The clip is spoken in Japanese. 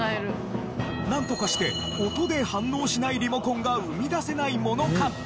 なんとかして音で反応しないリモコンが生み出せないものかと。